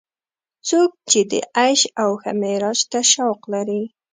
څوک چې د عیش او ښه معراج ته شوق لري.